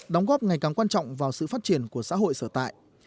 đóng góp ngày càng quan trọng vào sự phát triển của xã hội sở tại